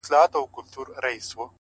د ښار په جوارگرو باندي واوښتلې گراني ،